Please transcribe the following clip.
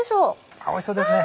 あっおいしそうですね。